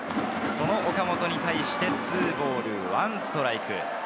岡本に対して２ボール１ストライク。